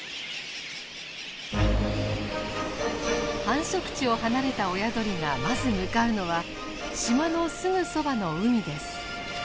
繁殖地を離れた親鳥がまず向かうのは島のすぐそばの海です。